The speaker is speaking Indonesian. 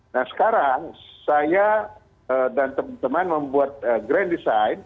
nah sekarang saya dan teman teman membuat grand design